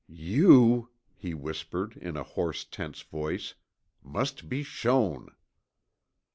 "You," he whispered in a hoarse, tense voice, "must be shown!"